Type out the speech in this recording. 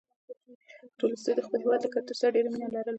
تولستوی د خپل هېواد له کلتور سره ډېره مینه لرله.